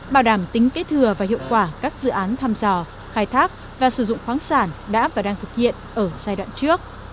bảo đảm tính kết thừa và hiệu quả các dự án thăm dò khai thác và sử dụng khoáng sản đã và đang thực hiện ở giai đoạn trước